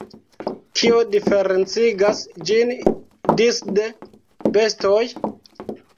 Kio diferencigas ĝin disde bestoj?